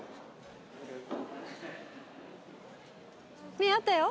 目合ったよ！